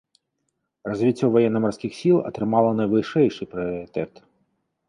Развіццё ваенна-марскіх сіл атрымала найвышэйшы прыярытэт.